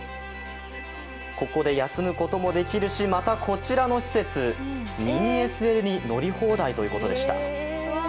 ここで休むこともできるし、またこちらの施設、ミニＳＬに乗り放題ということでした。